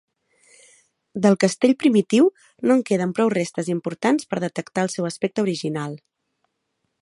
Del castell primitiu no en queden prou restes importants per detectar el seu aspecte original.